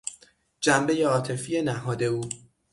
جنبهی عاطفی نهاد او